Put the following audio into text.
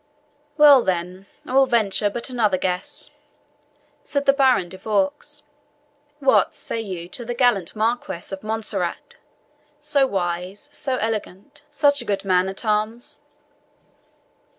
"Well, then, I will venture but another guess," said the Baron de Vaux. "What say you to the gallant Marquis of Montserrat, so wise, so elegant, such a good man at arms?"